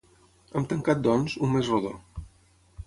Hem tancat, doncs, un mes rodó.